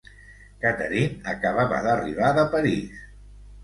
Catherine acabava d'arribar de París.